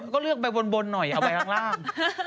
ก็เลือกไปบนหน่อยเอาไปข้างล่าง